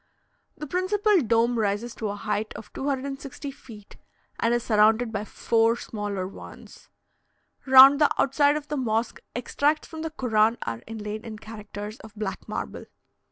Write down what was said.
The principal dome rises to a height of 260 feet, and is surrounded by four smaller ones. Round the outside of the mosque extracts from the Koran are inlaid in characters of black marble.